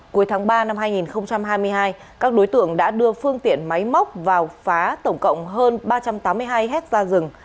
cuối tháng ba năm hai nghìn hai mươi hai các đối tượng đã đưa phương tiện máy móc vào phá tổng cộng hơn ba trăm tám mươi hai hectare rừng